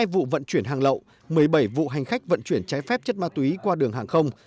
hai vụ vận chuyển hàng lậu một mươi bảy vụ hành khách vận chuyển trái phép chất ma túy qua đường hàng không